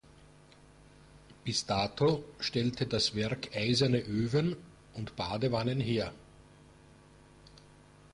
Bis dato stellte das Werk eiserne Öfen und Badewannen her.